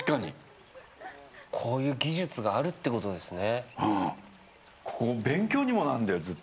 こういう技術があるってことですね。